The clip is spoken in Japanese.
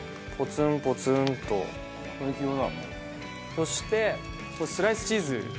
そしてスライスチーズ。